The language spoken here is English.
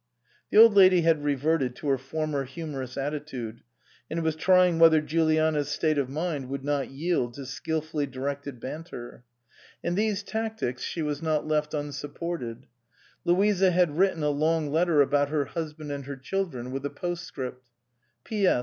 The Old Lady had reverted to her former humorous attitude and was trying whether Juliana's state of mind would not yield to skilfully directed banter. In these tactics she 307 SUPERSEDED was not left unsupported. Louisa had written a long letter about her husband and her child ren, with a postscript. "P.S.